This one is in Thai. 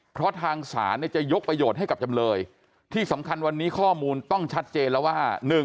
เพราะทางศาลเนี่ยจะยกประโยชน์ให้กับจำเลยที่สำคัญวันนี้ข้อมูลต้องชัดเจนแล้วว่า